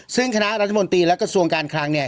ซึ่งคณะรัฐมนตรีและกระทรวงการคลังเนี่ย